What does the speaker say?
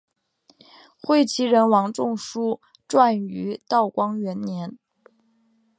会稽人王仲舒撰于道光元年。